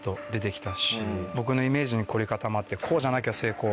僕のイメージに凝り固まってこうじゃなきゃ成功